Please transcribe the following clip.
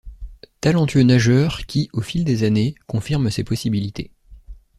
Talentueux nageur qui, au fil des années, confirme ses possibilités.